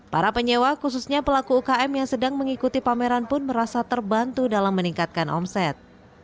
para penyewa khususnya pelaku ukm yang sedang mengikuti pameran pun merasa terbantu dalam meningkatkan omset